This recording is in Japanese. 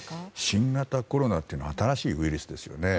新型コロナというのは新しいウイルスですよね。